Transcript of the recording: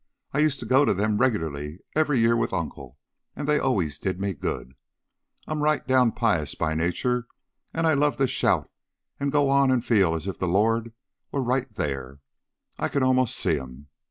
I used to go to them regularly every year with Uncle, and they always did me good. I'm right down pious by nature, and I loved to shout and go on and feel as if the Lord was right there: I could 'most see him.